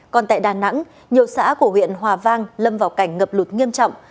còn tại đà nẵng nhiều xã của huyện hòa vang lâm vào cảnh ngập lụt nghiêm trọng